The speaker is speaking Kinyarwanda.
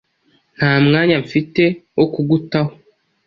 Nta mwanya mfite wokugutaho